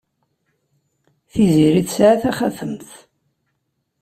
Tiziri tesɛa taxatemt.